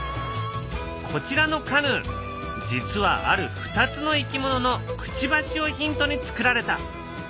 こちらのカヌー実はある２つのいきもののくちばしをヒントにつくられた。